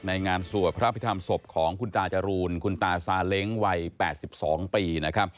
ในงานสวดพระพิธรรมสบของคุณตาจรูลคุณตาซาเล้งวัย๘๒ปี